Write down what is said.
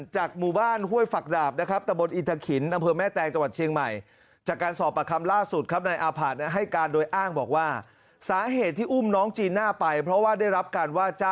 จากหมู่บ้านห้วยฝักดาบนะครับตะบนอินทะขินอำเภอแม่แตงจังหวัดเชียงใหม่